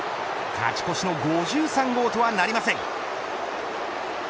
勝ち越しの５３号とはなりません。